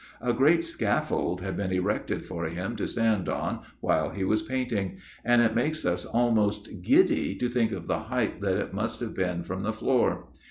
A great scaffold had been erected for him to stand on while he was painting, and it makes us almost giddy to think of the height that it must have been from the floor.